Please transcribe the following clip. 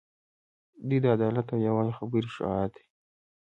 دوی د عدالت او یووالي خبرې شعار دي.